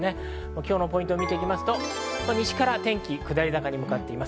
今日のポイントを見ていきますと西から天気、下り坂に向かっています。